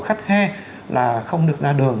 khắt khe là không được ra đường